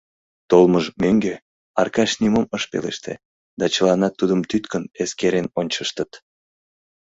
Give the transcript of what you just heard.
Толмыж мӧҥгӧ Аркаш нимом ыш пелеште, да чыланат тудым тӱткын эскерен ончыштыт.